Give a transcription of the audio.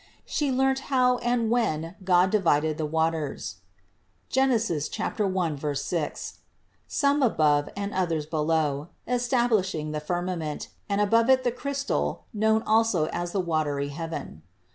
She learnt how and when God divided the waters (Gen. 1, 6), some above and others below, establishing the firmament, and above it the crystal, known also as the watery heaven.